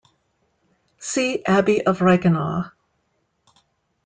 See Abbey of Reichenau.